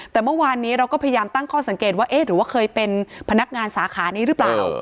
แต่เมื่อวานนี้เราก็พยายามตั้งข้อสังเกตว่าเอ๊ะหรือว่าเคยเป็นพนักงานสาขานี้หรือเปล่า